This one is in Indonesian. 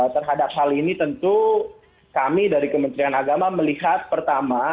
terhadap hal ini tentu kami dari kementerian agama melihat pertama